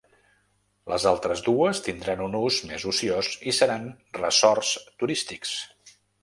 Les altres dues tindran un ús més ociós i seran ressorts turístics.